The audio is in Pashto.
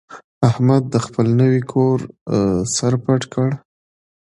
احمد د خپل نوي کور سر پټ کړ.